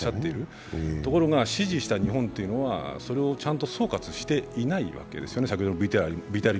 ところが、支持した日本というのはそれをちゃんと総括していないんですね。